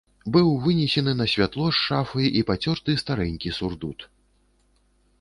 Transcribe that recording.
Быў вынесены на святло з шафы і пацёрты старэнькі сурдут.